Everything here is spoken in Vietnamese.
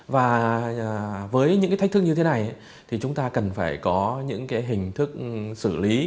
và với những thách thức như thế này thì chúng ta cần phải có những hình thức xử lý